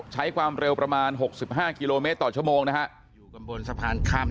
ใช้ความเร็วประมาณหกสิบห้ากิโลเมตรต่อชั่วโมงนะครับ